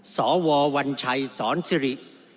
สววัญชัยสอนสิริ